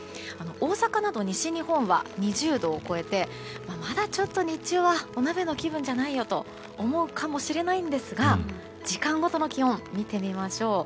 大阪など西日本は２０度を超えてまだちょっと日中はお鍋の気分じゃないよと思うかもしれないんですが時間ごとの気温見てみましょう。